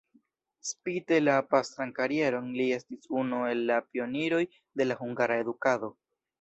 Spite la pastran karieron li estis unu el la pioniroj de la hungara edukado.